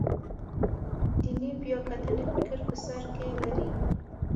دیني بیاکتنې فکر په سر کې لري.